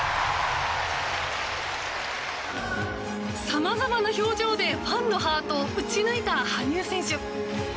さまざまな表情でファンのハートを打ち抜いた羽生選手。